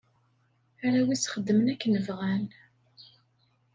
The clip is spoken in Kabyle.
Arraw-is xeddmen akken bɣan.